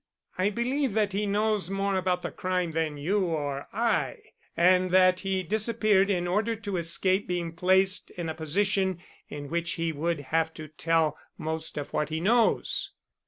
"I believe that he knows more about the crime than you or I, and that he disappeared in order to escape being placed in a position in which he would have to tell most of what he knows."